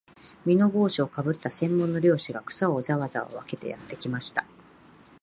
簔帽子をかぶった専門の猟師が、草をざわざわ分けてやってきました